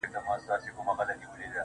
و ذهن ته دي بيا د بنگړو شرنگ در اچوم.